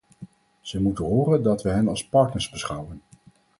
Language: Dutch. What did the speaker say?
Ze moeten horen dat we hen als partners beschouwen.